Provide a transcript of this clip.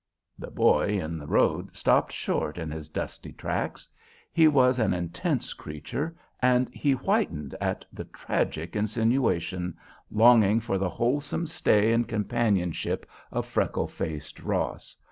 The boy in the road stopped short in his dusty tracks. He was an intense creature, and he whitened at the tragic insinuation, longing for the wholesome stay and companionship of freckle faced Ross.